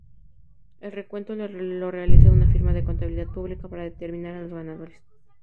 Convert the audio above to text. El recuento lo realiza una firma de contabilidad pública, para determinar a los ganadores.